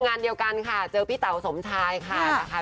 งานเดียวกันค่ะเจอพี่เต๋าสมชายค่ะนะคะ